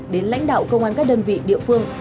đến lãnh đạo công an các đơn vị địa phương